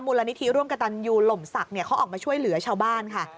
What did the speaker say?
มูลนิธิร่วมกับตันยูหล่มศักดิ์เขาออกมาช่วยเหลือชาวบ้านค่ะ